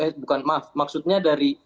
eh bukan maaf maksudnya dari